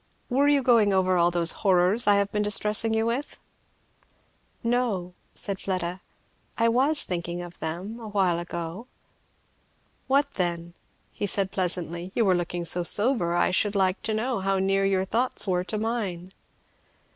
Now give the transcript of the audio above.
"Were you going over all those horrors I have been distressing you with?" "No," said Fleda; "I was thinking of them, awhile ago." "What then?" said he pleasantly. "You were looking so sober I should like to know how near your thoughts were to mine."